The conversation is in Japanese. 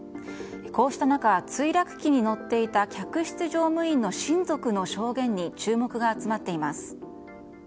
こうした中墜落機に乗っていた客室乗務員の親族の証言に注目が集まっています。